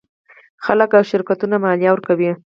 خلک او شرکتونه مالیه ورکوي.